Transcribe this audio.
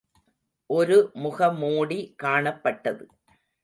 ஒரு முகமூடி காணப்பட்டது.